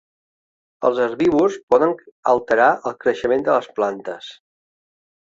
El herbívors poden alterar el creixement de les plantes.